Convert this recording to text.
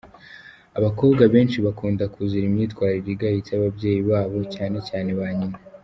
Abakobwa benshi bakunda kuzira imyitwarire igayitse y’ababyeyi babo cyane cyane ba nyina.